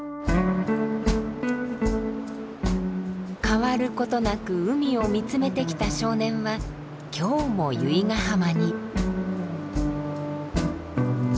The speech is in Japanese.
変わることなく海を見つめてきた少年は今日も由比ガ浜に。